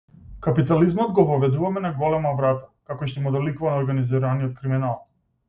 Капитализмот го воведуваме на голема врата, како и што му доликува на организираниот криминал.